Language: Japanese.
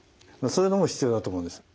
そういうのも必要だと思うんです。